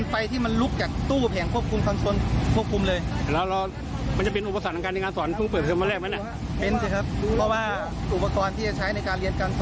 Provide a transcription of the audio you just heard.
ฟังคุณครูค่ะ